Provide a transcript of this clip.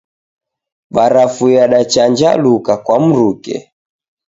Barafu yadachanjaluka kwa mruke.